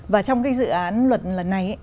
và trong dự án luật lần này